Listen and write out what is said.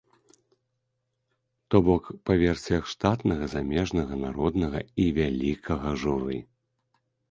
То бок, па версіях штатнага, замежнага, народнага і вялікага журы.